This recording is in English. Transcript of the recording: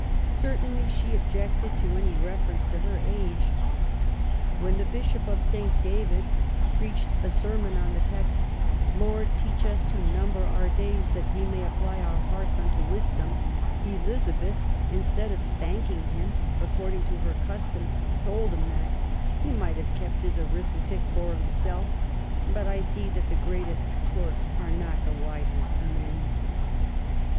Certainly she objected to any reference to her age. When the Bishop of St. Davids preached a sermon on the text :Lord teach us to number our days that we may apply our hearts unto wisdom,'* Elizabeth, instead of thanking him, according to her custom, told him that he might have kept his arithmetic for himself; but I see that the greatest clerks are not the wisest men '*.